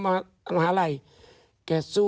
แล้วแกก็ได้รับค่าเยียวยา